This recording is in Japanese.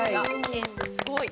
すごい。